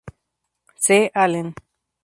C. Allen.